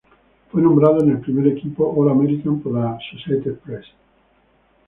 Fue nombrado en el primer equipo All-American por la Associated Press.